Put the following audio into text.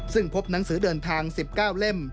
ซึ่งพบหนังสือเดินทาง๑๙เล่ม